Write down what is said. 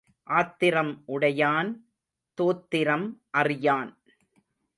ஆத்திரம் உடையான் தோத்திரம் அறியான்.